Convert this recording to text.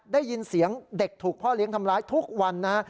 ได้ยินเสียงเด็กถูกพ่อเลี้ยงทำร้ายทุกวันนะฮะ